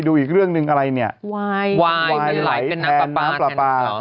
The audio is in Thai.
อืม